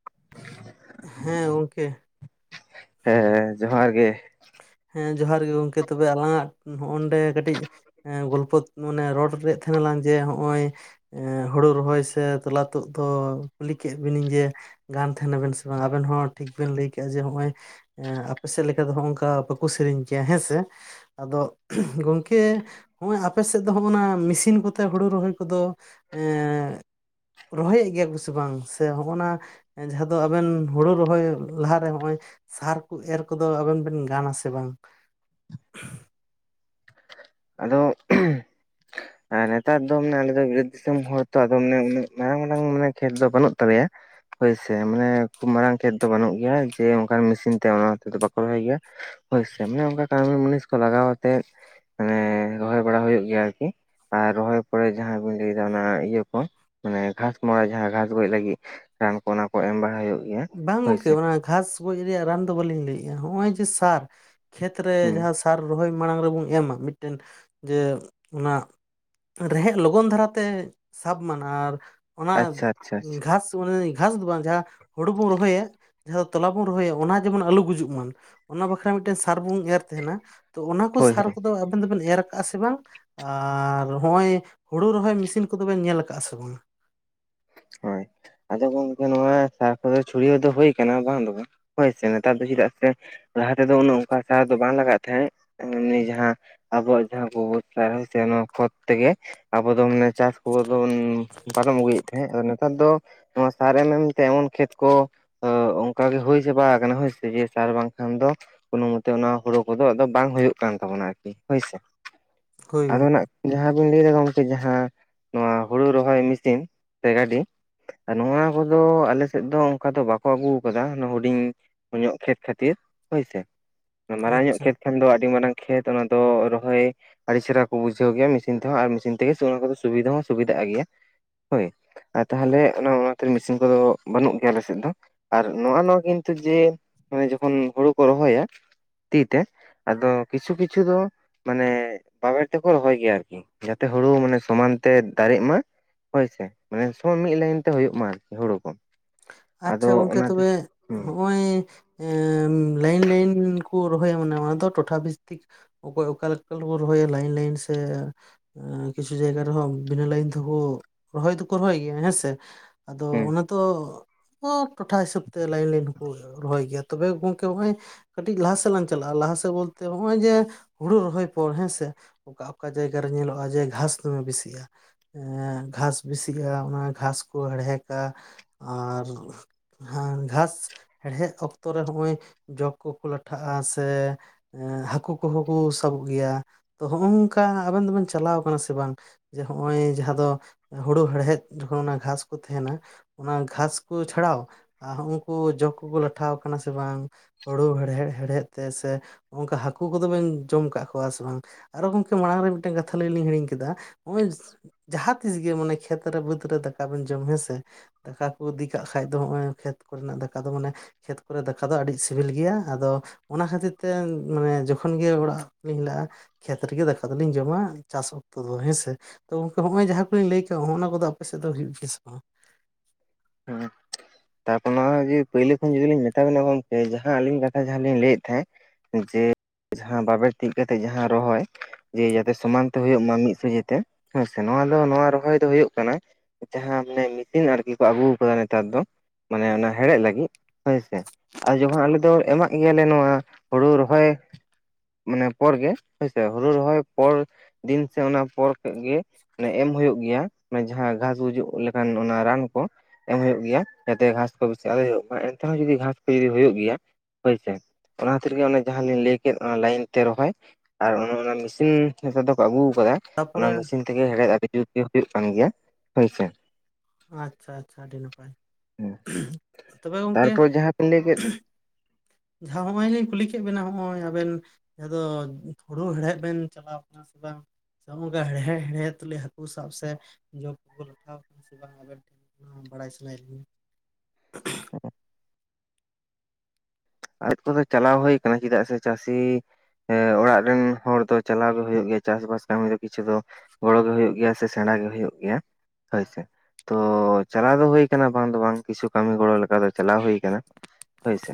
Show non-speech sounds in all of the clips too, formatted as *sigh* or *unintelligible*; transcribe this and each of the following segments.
*inaudible* ᱦᱮᱸ, ᱣᱚᱝᱠᱮ᱾ ᱮᱸ ᱡᱚᱦᱟᱨ ᱜᱮ᱾ ᱦᱮᱸ, ᱡᱚᱦᱟᱨ ᱜᱮ ᱜᱚᱝᱠᱮ, ᱛᱚᱵᱮ ᱟᱞᱟᱝᱟᱜ ᱱᱚᱜᱼᱚᱱᱰᱮ ᱠᱟᱹᱴᱤᱡ ᱮᱸ ᱜᱚᱞᱯᱷᱚᱛ ᱢᱟᱱᱮ ᱨᱚᱲ ᱨᱮᱫ ᱛᱷᱮᱸ ᱱᱟᱞᱟᱝ ᱡᱮ ᱦᱚᱸᱜᱼᱚᱸᱭ ᱮᱸ ᱦᱩᱲᱩ ᱨᱚᱦᱚᱭ ᱥᱮ ᱛᱚᱞᱟ ᱛᱩᱜ ᱫᱚ ᱠᱩᱞᱤ ᱠᱮᱹᱜ ᱵᱤᱱᱤᱧ ᱡᱮ ᱜᱟᱱ ᱛᱷᱮ ᱱᱟᱵᱮᱱ ᱥᱮ ᱵᱟᱝ ᱟᱵᱮᱱ ᱦᱚᱸ ᱴᱷᱤᱠ ᱵᱮᱱ ᱞᱟᱹᱭ ᱠᱮᱜᱼᱟ, ᱡᱮ ᱦᱚᱸᱜᱼᱚᱸᱭ ᱮᱸ ᱟᱯᱮᱥᱮᱜ ᱞᱮᱠᱟ ᱫᱚ ᱦᱚᱸᱜᱼᱚᱝᱠᱟ ᱯᱟᱹ ᱠᱩ ᱥᱮᱨᱮᱧ ᱠᱮᱭᱟ ᱦᱮᱸ ᱥᱮᱻ ᱟᱫᱚ ᱜᱚᱝᱠᱮ, ᱚᱸᱭ ᱟᱯᱮ ᱥᱮᱫ ᱫᱚ ᱦᱚᱸᱜᱼᱚᱱᱟ ᱢᱤᱥᱤᱱ ᱠᱚᱛᱮ ᱦᱩᱲᱩ ᱨᱚᱦᱚᱭ ᱠᱚᱫᱚ ᱮᱸᱜ ᱨᱚᱦᱚᱭᱮᱫ ᱜᱮᱭᱟ ᱠᱚ ᱥᱮ ᱵᱟᱝ ᱥᱮ ᱦᱚᱜᱼᱚᱱᱟ ᱮᱸ ᱡᱟᱦᱟᱸ ᱫᱚ ᱟᱵᱮᱱ ᱦᱩᱲᱩ ᱨᱚᱦᱚᱭ ᱞᱟᱦᱟᱨᱮ, ᱦᱚᱸᱜᱼᱚᱸᱭ ᱥᱟᱨ ᱮᱨ ᱠᱚᱫᱚ ᱟᱵᱮᱱ ᱵᱮᱱ ᱜᱟ ᱱᱟᱥᱮ? ᱮ ᱵᱟᱝ ᱟᱫᱚᱣ ᱟ ᱱᱮᱛᱟᱫᱽ ᱫᱚ ᱢᱟᱱᱮ ᱟᱞᱮ ᱫᱚ 'ᱵᱤᱨᱟᱹᱫ ᱫᱤᱥᱚᱢ' ᱦᱚᱲ ᱛᱚ, ᱟᱫᱚ ᱚᱱᱮ ᱩᱱᱟᱹᱜ ᱢᱟᱨᱟᱝ ᱢᱟᱱᱮ ᱩᱱ ᱢᱟᱨᱟᱝ ᱠᱷᱮᱛ ᱫᱚ ᱵᱟᱹᱱᱩᱜ ᱛᱟᱞᱮᱭᱟᱻ᱾ ᱦᱳᱭ ᱥᱮ, ᱢᱟᱱᱮ ᱠᱷᱩᱵ ᱢᱟᱨᱟᱝ ᱠᱷᱮᱛ ᱫᱚ ᱵᱟᱹᱱᱩᱜ ᱜᱮᱭᱟ, ᱡᱮ ᱚᱝᱠᱟ ᱢᱤᱥᱤᱱ ᱛᱮ, ᱚᱱᱟ ᱛᱮ ᱫᱚ ᱵᱟᱠᱚ ᱨᱚᱦᱚᱭ ᱜᱮᱭᱟ᱾ ᱦᱳᱭ ᱥᱮ, ᱢᱮ ᱚᱝᱠᱟ ᱠᱟᱹᱢᱤ ᱢᱩᱱᱤᱥ ᱠᱚ ᱞᱟᱜᱟ ᱣᱟᱛᱮᱫ, ᱟᱱᱮ ᱨᱚᱦᱚᱭ ᱵᱟᱲᱟ ᱦᱩᱭᱩᱜ ᱜᱮᱭᱟ ᱟᱨᱠᱤ᱾ ᱟ ᱨᱚᱦᱚᱭ ᱯᱚᱨᱮ ᱡᱟᱦᱟᱸ ᱵᱤᱱ ᱞᱟᱹᱭᱫᱟ ᱚᱱᱟ ᱤᱭᱟᱹ ᱠᱚ᱾ ᱟᱱᱮ 'ᱜᱷᱟᱥ ᱢᱟᱨᱟ' ᱡᱟᱦᱟᱸ ᱜᱷᱟᱥ ᱜᱚᱡ ᱞᱟᱹᱜᱤᱜ ᱨᱟᱱ ᱠᱚ, ᱚᱱᱟ ᱠᱚ ᱮᱢ ᱵᱟᱲᱟ ᱦᱩᱭᱩᱜ ᱜᱮᱭᱟ ᱵᱟᱝ ᱜᱚᱝᱠᱮ, ᱦᱳᱭᱥᱮ ᱚᱱᱟ ᱜᱷᱟᱥ ᱜᱚᱡ ᱨᱮᱭᱟᱜ ᱨᱟᱱ ᱫᱚ ᱵᱟᱹᱞᱤᱧ ᱞᱟᱹᱭᱮᱜᱼᱟ᱾ ᱦᱚᱸᱜᱼᱚᱸᱭ ᱡᱮ ᱥᱟᱨ ᱠᱷᱮᱛ ᱨᱮ ᱦᱩᱸ ᱡᱟᱦᱟᱸ ᱥᱟᱨ ᱨᱚᱦᱚᱭ ᱢᱟᱲᱟᱝ ᱨᱮᱵᱚᱱ ᱮᱢᱟ, ᱢᱤᱜᱴᱮᱱ ᱡᱮ ᱚᱱᱟ ᱨᱮᱦᱮᱜ ᱞᱚᱜᱚᱱ ᱫᱷᱟᱨᱟ ᱛᱮ ᱥᱟᱵ ᱢᱟᱱᱟ ᱟᱨ ᱚᱱᱟᱻ ᱟᱪᱪᱷᱟ ᱟᱪᱪᱷᱟ ᱟᱪᱪᱷᱟ ᱜᱷᱟᱥ, ᱣᱟᱱᱮ ᱜᱷᱟᱥ ᱫᱚ ᱵᱟᱝ ᱡᱟᱦᱟᱸ ᱦᱩᱲᱩ ᱵᱩ ᱨᱚᱦᱚᱭᱮᱜ ᱡᱟᱦᱟᱸ ᱣᱚ ᱛᱚᱞᱟ ᱵᱚᱱ ᱨᱚᱦᱚᱭᱮ, ᱚᱱᱟ ᱡᱮᱢᱚᱱ ᱟᱞᱩ ᱜᱩᱡᱩᱜ ᱢᱟᱱ, ᱚᱱᱟ ᱵᱟᱠᱷᱨᱟ ᱢᱤᱜᱴᱮᱱ ᱥᱟᱨ ᱵᱩᱝ ᱮᱨ ᱛᱮᱦᱮᱱᱟ᱾ ᱛᱚ ᱚᱱᱟ ᱠᱚ ᱦᱳᱭ ᱦᱳᱭ ᱥᱟᱨ ᱠᱚᱫᱚ ᱟᱵᱮᱱ-ᱫᱚᱵᱮᱱ ᱮᱨ ᱠᱟᱜᱼᱟ ᱥᱮ ᱵᱟᱝ? ᱟᱼᱨ ᱦᱚᱸᱜᱼᱚᱸᱭ ᱦᱩᱲᱩ ᱨᱚᱦᱚᱭ ᱢᱤᱥᱤᱱ ᱠᱚᱫᱚ ᱵᱮᱱ ᱧᱮᱞ ᱠᱟᱜᱼᱟ ᱥᱮ ᱵᱟᱝ? ᱦᱳᱭ, ᱟᱫᱚ ᱜᱚᱝᱠᱮ, ᱱᱚᱣᱟ ᱥᱟᱨ ᱠᱚᱫᱚ ᱪᱷᱩᱲᱭᱟᱹᱣ ᱫᱚ ᱦᱩᱭ ᱠᱟᱱᱟ ᱵᱟᱝ ᱫᱚ ᱵᱟ᱾ ᱦᱳᱭ ᱥᱮ, ᱱᱮᱛᱟᱨ ᱫᱚ ᱪᱤᱫᱟᱜ ᱥᱮ ᱞᱟᱦᱟ ᱛᱮᱫᱚ, ᱩᱱᱟᱹᱜ ᱚᱝᱠᱟ ᱥᱟᱨ ᱫᱚ ᱵᱟᱝ ᱞᱟᱜᱟᱜ ᱛᱷᱮᱸᱜ ᱮᱢᱱᱤ ᱡᱟᱦᱟᱸ ᱟᱵᱚᱣᱟᱜ ᱡᱟᱦᱟᱸ ᱠᱚᱵᱚᱨ ᱥᱟᱨ ᱦᱳᱭ ᱥᱮ ᱱᱚᱣᱟ ᱠᱷᱚᱛ ᱛᱮᱜᱮ ᱟᱵᱚ ᱫᱚ ᱢᱟᱱᱮ ᱪᱟᱥ ᱠᱚ ᱫᱚ ᱵᱚᱱ ᱯᱟᱨᱚᱢ ᱟᱹᱜᱩᱭᱮᱫ ᱛᱟᱦᱮᱸᱜ ᱟᱫᱚ ᱱᱮᱛᱟᱨ ᱫᱚ ᱱᱚᱣᱟ ᱥᱟᱨ ᱮᱢ ᱮᱢ ᱛᱮ ᱮᱢᱚᱱ ᱠᱷᱮᱛ ᱠᱚ ᱛᱚ ᱚᱱᱠᱟ ᱜᱮ ᱦᱩᱭ ᱪᱟᱵᱟ ᱠᱟᱱᱟ ᱦᱩᱭᱥᱮ ᱡᱮ ᱥᱟᱨ ᱵᱟᱝᱠᱷᱟᱱ ᱫᱚ ᱠᱳᱱᱳ ᱢᱚᱛᱮ ᱚᱱᱟ ᱦᱩᱲᱩ ᱠᱚᱫᱚ ᱟᱫᱚ ᱵᱟᱝ ᱦᱩᱭᱩᱜ ᱠᱟᱱ ᱛᱟᱵᱳᱱᱟ ᱟᱨᱠᱤ ᱦᱳᱭᱥᱮ᱾ ᱦᱳᱭ ᱟᱫᱚ ᱜᱚᱝᱠᱮ ᱱᱟᱜ ᱡᱟᱦᱟᱸ ᱵᱤᱱ ᱞᱟᱹᱭᱟ ᱜᱚᱝᱠᱮ ᱡᱟᱦᱟᱸ ᱱᱚᱣᱟ ᱦᱩᱲᱩ ᱨᱚᱦᱚᱭ ᱢᱮᱥᱤᱱ ᱥᱮ ᱜᱟᱹᱰᱤ ᱱᱚᱣᱟ ᱠᱚᱫᱚ ᱟᱞᱮᱥᱮᱫ ᱫᱚ ᱚᱱᱠᱟ ᱫᱚ ᱵᱟᱠᱚ ᱟᱹᱜᱩᱣ ᱠᱟᱫᱟ ᱦᱩᱰᱤᱧ ᱠᱚᱢᱧᱚᱜ ᱠᱷᱮᱛ ᱠᱷᱟᱹᱛᱤᱨ ᱦᱳᱭᱥᱮ ᱢᱟᱨᱟᱝ ᱧᱚᱜ ᱟᱪᱪᱷᱟ ᱠᱷᱮᱛ ᱠᱷᱟᱱ ᱫᱚ ᱟᱹᱰᱤ ᱢᱟᱨᱟᱝ ᱠᱷᱮᱛ ᱚᱱᱟ ᱫᱚ ᱨᱚᱦᱚᱭ ᱟᱹᱰᱤ ᱪᱮᱨᱦᱟ ᱠᱚ ᱵᱩᱡᱷᱟᱹᱣ ᱜᱮᱭᱟ ᱢᱮᱥᱤᱱ ᱛᱮᱦᱚᱸ ᱟᱨ ᱢᱮᱥᱤᱱ ᱛᱮᱜᱮ ᱚᱱᱟ ᱠᱚᱫᱚ ᱥᱩᱵᱤᱫᱷᱟ ᱦᱚᱸ ᱥᱩᱵᱤᱫᱷᱟᱜ ᱜᱮᱭᱟ ᱦᱳᱭ᱾ ᱟᱨ ᱛᱟᱦᱞᱮ ᱚᱱᱟ ᱚᱱᱟᱛᱮ ᱢᱮᱥᱤᱱ ᱠᱚᱫᱚ ᱵᱟᱹᱱᱩᱜ ᱜᱮᱭᱟ ᱟᱞᱮ ᱥᱮᱫ ᱫᱚ᱾ ᱟᱨ ᱱᱚᱜᱼᱱᱚᱣᱟ ᱠᱤᱱᱛᱩ ᱡᱮ ᱡᱚᱠᱷᱚᱱ ᱦᱩᱲᱩ ᱠᱚ ᱨᱚᱦᱚᱭᱟ᱾ ᱛᱤ ᱛᱮ ᱟᱫᱚ ᱠᱤᱪᱷᱩ ᱠᱤᱪᱷᱩ ᱫᱚ ᱢᱟᱱᱮ ᱵᱟᱵᱮᱨ ᱛᱮᱠᱚ ᱨᱚᱦᱚᱭ ᱜᱮᱭᱟ ᱟᱨᱠᱤ᱾ ᱡᱟᱛᱮ ᱦᱩᱲᱩ ᱢᱟᱱᱮ ᱥᱚᱢᱟᱱ ᱛᱮ ᱫᱟᱨᱤᱜ ᱢᱟ ᱦᱳᱭᱥᱮ᱾ ᱢᱟᱱᱮ ᱥᱚ ᱢᱤᱫ ᱞᱟᱭᱤᱱ ᱛᱮ ᱦᱳᱭᱳᱜ ᱢᱟ ᱟᱨᱠᱤ ᱦᱩᱲᱩ ᱠᱚ᱾ ᱟᱫᱚ ᱟᱪᱪᱷᱟ ᱜᱚᱝᱠᱮ ᱚᱱᱟᱛᱮ ᱛᱚᱵᱮ ᱦᱩᱸ ᱦᱚᱜᱼᱚᱭ ᱮᱸ ᱞᱟᱹᱭᱤᱱ ᱞᱟᱹᱭᱤᱱ ᱠᱚ ᱨᱚᱦᱚᱭᱟ ᱢᱟᱱᱮ ᱚᱱᱟ ᱫᱚ ᱴᱚᱴᱷᱟ ᱵᱷᱤᱛᱛᱤᱠ ᱚᱠᱚᱭ ᱚᱠᱟ ᱞᱮᱠᱠᱚ ᱨᱚᱦᱚᱭᱟ ᱞᱟᱭᱤᱱ ᱞᱟᱭᱤᱱ ᱥᱮ ᱠᱤᱪᱷᱩ ᱡᱟᱭᱜᱟ ᱨᱮᱦᱚᱸ ᱵᱤᱱᱟᱹ ᱞᱟᱹᱭᱤᱱ ᱛᱮᱠᱚ ᱨᱚᱦᱚᱭ ᱫᱚᱠᱚ ᱨᱚᱦᱚᱭ ᱜᱮᱭᱟ ᱦᱮᱸᱥᱮ᱾ ᱛᱚ ᱦᱩᱸ ᱚᱱᱟ ᱛᱚ ᱥᱚᱯ ᱴᱚᱴᱷᱟ ᱦᱤᱥᱟᱹᱵ ᱛᱮ ᱞᱟᱭᱤᱱ ᱞᱟᱭᱤᱱ ᱦᱚᱸᱠᱚ ᱨᱚᱦᱚᱭ ᱜᱮᱭᱟ ᱛᱚᱵᱮ ᱜᱚᱝᱠᱮ ᱱᱚᱜᱼᱚᱭ ᱠᱟᱹᱴᱤᱡ ᱞᱟᱦᱟ ᱥᱮᱫ ᱞᱟᱝ ᱪᱟᱞᱟᱜᱼᱟ ᱞᱟᱦᱟ ᱥᱮᱫ ᱵᱚᱞᱛᱮ ᱱᱚᱜᱼᱚᱭ ᱡᱮ ᱦᱩᱲᱩ ᱨᱚᱦᱚᱭ ᱯᱚᱨ ᱦᱮᱸᱥᱮ᱾ ᱚᱠᱟ ᱚᱠᱟ ᱡᱟᱭᱜᱟ ᱨᱮ ᱧᱮᱞᱚᱜᱼᱟ ᱡᱮ ᱜᱷᱟᱸᱥ ᱫᱚᱢᱮ ᱵᱮᱥᱤᱜᱼᱟ᱾ ᱮᱸ ᱜᱷᱟᱸᱥ ᱵᱤᱥᱤᱜᱼᱟ ᱚᱱᱟ ᱜᱷᱟᱸᱥ ᱠᱚ ᱦᱮᱲᱦᱮᱠᱟ ᱟᱨ ᱜᱷᱟᱸᱥ ᱦᱮᱲᱦᱮᱫ ᱚᱠᱛᱚ ᱨᱮ ᱦᱚᱸᱜᱼᱚᱭ ᱡᱚᱸᱠ‌ ᱠᱚᱠᱚ ᱞᱟᱴᱷᱟᱜᱼᱟ ᱥᱮ ᱮᱸ ᱦᱟᱠᱩ ᱠᱩᱦᱚᱸ ᱠᱩ ᱥᱟᱵᱚᱜ ᱜᱮᱭᱟ ᱛᱚ ᱦᱚᱸᱜᱼᱱᱚᱝᱠᱟ ᱟᱵᱮᱱ ᱫᱚᱵᱮᱱ ᱪᱟᱞᱟᱣ ᱠᱟᱱᱟ ᱥᱮ ᱵᱟᱝ? ᱡᱮ ᱦᱚᱸᱜᱼᱚᱸᱭ ᱡᱟᱦᱟᱸ ᱫᱚ ᱦᱩᱲᱩ ᱦᱮᱲᱦᱮᱫ ᱡᱚᱠᱷᱚᱱ ᱜᱷᱟᱸᱥ ᱠᱚ ᱛᱮᱦᱮᱱᱟ ᱚᱱᱟ ᱜᱷᱟᱥ ᱠᱩ ᱪᱷᱟᱲᱟᱣ ᱟ ᱦᱩᱜᱼᱩᱱᱠᱩ ᱡᱚᱸᱠ ᱠᱩᱠᱩ ᱞᱟᱴᱷᱟᱣ ᱠᱟᱱᱟ ᱥᱮ ᱵᱟᱝ? ᱦᱩᱲᱩ ᱦᱮᱲᱦᱮᱫ ᱦᱮᱲᱦᱮᱫ ᱛᱮ ᱥᱮ ᱚᱝᱠᱟ ᱦᱟᱠᱩ ᱠᱩᱫᱚ ᱵᱮᱱ ᱡᱚᱢ ᱠᱟᱜ ᱠᱚᱣᱟ ᱥᱮ ᱵᱟᱝ? ᱟᱨᱚ ᱜᱚᱝᱠᱮ ᱢᱟᱬᱟᱝ ᱨᱮ ᱢᱤᱫᱴᱮᱱ ᱠᱟᱛᱷᱟ ᱞᱟᱹᱭ ᱞᱤᱧ ᱦᱤᱲᱤᱧ ᱠᱮᱫᱟ ᱱᱚᱜᱼᱚᱭ ᱡᱟᱦᱟᱸᱛᱤᱥ ᱜᱮᱤ ᱢᱟᱱᱮ ᱠᱷᱮᱛ ᱨᱮ ᱵᱟᱹᱛᱷ ᱨᱮ ᱫᱟᱠᱟ ᱵᱮᱱ ᱡᱚᱢ ᱦᱮᱸ ᱥᱮ ᱫᱟᱠᱟ ᱠᱩ ᱫᱤᱠ ᱠᱟᱜ ᱠᱷᱟᱡ ᱫᱚ ᱦᱚᱸᱜᱼᱚᱭ ᱠᱷᱮᱛ ᱠᱚᱨᱮᱱ ᱟᱜ ᱫᱟᱠᱟ ᱫᱚ ᱢᱟᱱᱮ ᱠᱷᱮᱛ ᱠᱚᱨᱮ ᱫᱟᱠᱟ ᱫᱚ ᱟᱰᱤ ᱥᱤᱵᱤᱞ ᱜᱮᱭᱟ ᱟᱫᱚ ᱚᱱᱟ ᱠᱷᱟᱹᱛᱤᱨ ᱛᱮ ᱢᱟᱱᱮ ᱡᱚᱠᱷᱚᱱ ᱜᱮ ᱚᱲᱟᱜ ᱞᱤᱧ ᱦᱮᱞᱟᱜᱼᱟ᱾ ᱠᱷᱮᱛ ᱨᱮᱜᱮ ᱫᱟᱠᱟ ᱫᱚᱞᱤᱧ ᱡᱚᱢᱟ ᱪᱟᱥ ᱚᱠᱛᱚ ᱫᱚ ᱦᱮᱸ ᱥᱮ᱾ ᱛᱚ ᱜᱚᱝᱠᱮ ᱦᱚᱸᱜᱼᱚᱭ ᱡᱟᱦᱟᱸ ᱠᱚᱞᱤᱧ ᱞᱟᱹᱭ ᱠᱮᱜ ᱦᱚᱸᱜᱼᱚᱱᱟ ᱠᱚᱫᱚ ᱟᱯᱮ ᱥᱮᱜ ᱫᱚ ᱦᱩᱭᱩᱜ ᱜᱮᱭᱟ ᱥᱮ ᱵᱟᱝ? ᱦᱩᱸ᱾ ᱛᱟᱨᱯᱚᱨ ᱱᱚᱣᱟ ᱡᱮ ᱯᱩᱭᱞᱩ ᱠᱷᱚᱱ ᱡᱩᱫᱤ ᱞᱤᱧ ᱢᱮᱛᱟ ᱵᱤᱱᱟ ᱜᱚᱝᱠᱮ ᱡᱟᱦᱟᱸ ᱟᱹᱞᱤᱧ ᱠᱟᱛᱷᱟ ᱡᱟᱦᱟᱸ ᱞᱤᱧ ᱞᱟᱹᱭᱮᱜ ᱛᱮᱦᱮᱸᱜ ᱡᱮ ᱡᱟᱦᱟᱸ ᱵᱟᱵᱮᱨ ᱛᱤᱜ ᱠᱟᱛᱮᱜ ᱡᱟᱦᱟᱸ ᱨᱚᱦᱚᱭ ᱡᱮ ᱡᱟᱛᱮ ᱥᱚᱢᱟᱱ ᱛᱮ ᱦᱚᱭᱚᱜ ᱢᱟ ᱢᱤᱫ ᱥᱚᱡᱷᱮ ᱛᱮ᱾ ᱦᱮᱸ ᱥᱮ, ᱱᱚᱣᱟ ᱫᱚ ᱱᱚᱣᱟ ᱨᱚᱦᱚᱭ ᱫᱚ ᱦᱩᱭᱩᱜ ᱠᱟᱱᱟ ᱡᱟᱦᱟᱸ ᱢᱚᱱᱮ ᱢᱤᱥᱤᱱ ᱟᱨ ᱠᱤ ᱠᱚ ᱟᱜᱩᱣ ᱠᱟᱫᱟ ᱱᱮᱛᱟᱨ ᱫᱚ ᱢᱟᱱᱮ ᱚᱱᱟ ᱦᱮᱲᱦᱮᱫ ᱞᱟᱜᱤᱜ ᱦᱳᱭ ᱥᱮ᱾ ᱟᱨ ᱡᱚᱠᱷᱚᱱ ᱟᱞᱮ ᱫᱚ ᱮᱢᱟᱜ ᱜᱮᱭᱟ ᱞᱮ ᱱᱚᱣᱟ ᱦᱩᱲᱩ ᱨᱚᱦᱚᱭ ᱢᱟᱱᱮ ᱯᱚᱨ ᱜᱮ ᱦᱳᱭ ᱥᱮ ᱦᱩᱲᱩ ᱨᱚᱦᱚᱭ ᱯᱚᱨ ᱫᱤᱱ ᱥᱮ ᱚᱱᱟ ᱯᱚᱨ ᱠᱷᱚᱡ ᱜᱮ᱾ ᱚᱱᱮ ᱮᱢ ᱦᱩᱭᱩᱜ ᱜᱮᱭᱟ ᱢᱟᱱᱮ ᱡᱟᱦᱟᱸ ᱜᱷᱟᱸᱥ ᱜᱩᱡᱩᱜ ᱞᱮᱠᱟᱱ ᱚᱱᱟ ᱨᱟᱱ ᱠᱚ᱾ ᱮᱢ ᱦᱩᱭᱩᱜ ᱜᱮᱭᱟ, ᱡᱟᱛᱮ ᱜᱷᱟᱸᱥ ᱠᱚ ᱵᱮᱥᱤ ᱟᱞᱚ ᱦᱩᱭᱩᱜ ᱢᱟ ᱮᱱᱛᱮ ᱦᱚᱸ ᱡᱩᱫᱤ ᱜᱷᱟᱸᱥ ᱠᱚ ᱡᱩᱫᱤ ᱦᱩᱭᱩᱜ ᱜᱮᱭᱟ᱾ ᱦᱳᱭ ᱥᱮ, ᱚᱱᱟ ᱠᱷᱟᱹᱛᱤᱨ ᱜᱮ ᱚᱱᱮ ᱡᱟᱦᱟᱸ ᱞᱤᱧ ᱞᱟᱹᱭ ᱠᱮᱫ ᱚᱱᱟ ᱞᱟᱭᱤᱱ ᱛᱮ ᱨᱚᱦᱚᱭ᱾ ᱟᱨ ᱚᱱᱮ ᱚᱱᱟ ᱢᱤᱥᱤᱱ, ᱱᱮᱛᱟᱨ ᱫᱚ ᱠᱚ ᱟᱜᱩ ᱠᱟᱫᱟ᱾ ᱚᱱᱟ ᱛᱟᱯᱚᱨᱮ ᱢᱤᱥᱤᱱ ᱛᱮᱜᱮ, ᱦᱮᱲᱦᱮᱫ ᱟᱰᱤ ᱡᱩᱨ ᱡᱩᱨ ᱛᱮ ᱦᱩᱭᱩᱜ ᱠᱟᱱ ᱜᱮᱭᱟ ᱦᱳᱭ ᱥᱮ᱾ ᱟᱪᱪᱷᱟ ᱟᱪᱪᱷᱟ ᱟᱰᱤ ᱱᱟᱯᱟᱭ ᱛᱚᱵᱮ ᱜᱚᱝᱠᱮ ᱛᱟᱨᱯᱚᱨ ᱡᱟᱦᱟᱸ ᱵᱤᱱ ᱞᱟᱹᱭ ᱠᱮᱫ ᱡᱟᱸᱦᱟᱸ ᱦᱚᱸᱜ-ᱚᱸᱭ ᱞᱤᱧ ᱠᱩᱞᱤ ᱠᱮᱜ ᱵᱮᱱᱟ ᱦᱸᱚᱜ-ᱚᱸᱭ ᱟᱵᱮᱱ ᱡᱟᱸᱦᱟᱸ ᱫᱚ ᱦᱩᱲᱩ ᱦᱮᱲᱦᱮᱫ ᱵᱮᱱ ᱪᱟᱞᱟᱣ ᱠᱟᱱᱟ ᱥᱮ ᱵᱟᱝ? ᱠᱟ ᱦᱚᱜ-ᱚᱝᱠᱟ ᱦᱮᱲᱦᱮ ᱦᱮᱲᱦᱮᱫ ᱛᱩᱞᱩᱡ ᱦᱟᱹᱠᱩ ᱥᱟᱵ ᱥᱮ ᱡᱚᱸᱠ ᱠᱚ ᱞᱟᱴᱷᱟ ᱥᱮ ᱵᱟᱝ ᱟᱵᱮᱱ ᱵᱟᱲᱟᱭ ᱥᱟᱱᱟᱭᱮᱜ ᱞᱤᱧᱟ ᱾ ᱟᱡ ᱠᱚᱫᱚ ᱪᱟᱞᱟᱣ ᱦᱚᱭ ᱠᱟᱱᱟ ᱪᱮᱫᱟᱜ ᱥᱮ ᱪᱟᱥᱤᱼᱼ ᱮᱸ ᱚᱲᱟᱜ ᱨᱮᱱ ᱦᱚᱲ ᱫᱚ ᱪᱟᱞᱟᱣ ᱜᱮ ᱦᱩᱭᱩᱜ ᱜᱮᱭᱟ, ᱪᱟᱥ ᱵᱟᱥ ᱠᱟᱢᱤ ᱫᱚ ᱠᱤᱪᱷᱩ ᱫᱚ ᱜᱚᱲᱚᱜ ᱜᱮ ᱦᱩᱭᱩᱜ ᱜᱮᱭᱟ, ᱥᱮ ᱥᱮᱬᱟ ᱜᱮ ᱦᱩᱭᱩᱜ ᱜᱮᱭᱟ ᱦᱳᱭ ᱥᱮ ᱠᱟᱞᱪᱟᱨ᱾ ᱛᱚ ᱪᱟᱞᱟᱣ ᱫᱚ ᱦᱩᱭ ᱠᱟᱱᱟ, ᱵᱟᱝ ᱫᱚ ᱵᱟᱝ ᱠᱤᱪᱷᱩ ᱠᱟᱢᱤ ᱜᱚᱲᱚ ᱞᱮᱠᱟ ᱫᱚ ᱪᱟᱞᱟᱣ ᱦᱩᱭ ᱠᱟᱱᱟ, ᱦᱳᱭ ᱥᱮ᱾